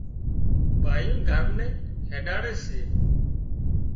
ٻايُون گھر هينڏاڙي سي